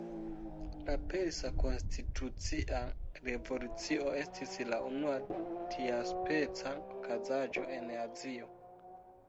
La Persa Konstitucia Revolucio estis la unua tiaspeca okazaĵo en Azio.